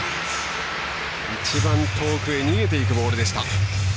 一番遠くへ逃げていくボールでした。